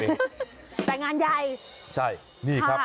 แต่งานใหญ่ใช่นี่ครับ